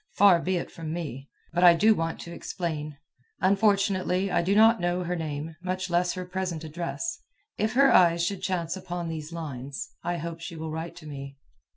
Far be it from me. But I do want to explain. Unfortunately, I do not know her name, much less her present address. If her eyes should chance upon these lines, I hope she will write to me.